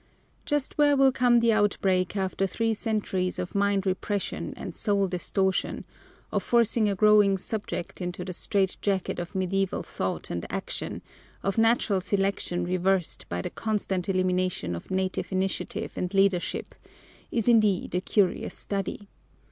Just where will come the outbreak after three centuries of mind repression and soul distortion, of forcing a growing subject into the strait jacket of medieval thought and action, of natural selection reversed by the constant elimination of native initiative and leadership, is indeed a curious study.